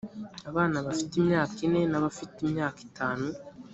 abana bafite imyaka ine n’abafite imyaka itanu